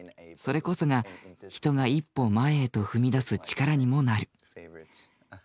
それこそが人が一歩「前へ」と踏み出す力にもなる。